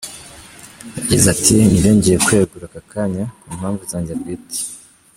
Yagize ati “Nibyo ngiye kwegura aka kanya ku mpamvu zanjye bwite.